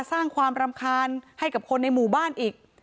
สร้างความรำคาญให้กับคนในหมู่บ้านอีก